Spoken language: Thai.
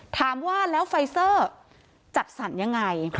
ถามว่าแล้วไฟเซอร์จัดสรรยังไง